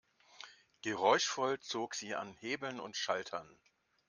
Geräuschvoll zog sie an Hebeln und Schaltern.